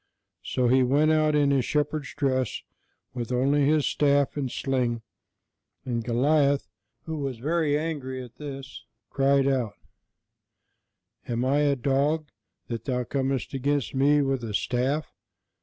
So he went out in his shepherd's dress, with only his staff and sling; and Goliath, who was very angry at this, cried out: "Am I a dog, that thou comest against me with a staff?"